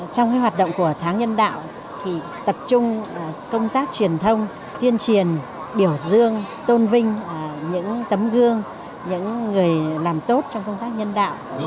trong hoạt động của tháng nhân đạo tập trung công tác truyền thông tuyên truyền biểu dương tôn vinh những tấm gương những người làm tốt trong công tác nhân đạo